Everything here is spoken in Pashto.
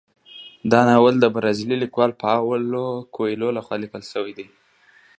دا ناول د برازیلي لیکوال پاولو کویلیو لخوا لیکل شوی دی.